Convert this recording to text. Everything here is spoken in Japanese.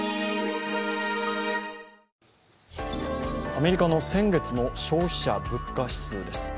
アメリカの先月の消費者物価指数です。